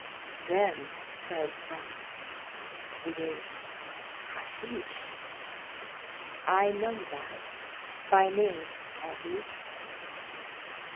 "Then," cried Franz, "it is hashish! I know that—by name at least."